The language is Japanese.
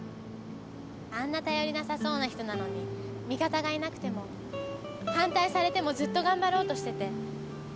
あんな頼りなさそうな人なのに味方がいなくても反対されてもずっと頑張ろうとしてて。